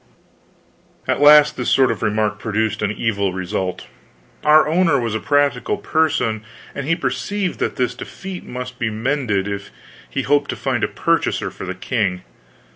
At last this sort of remark produced an evil result. Our owner was a practical person and he perceived that this defect must be mended if he hoped to find a purchaser for the king.